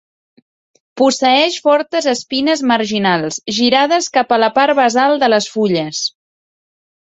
Posseeix fortes espines marginals, girades cap a la part basal de les fulles.